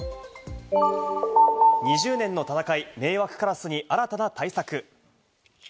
２０年の戦い、迷惑カラスに新たな対策。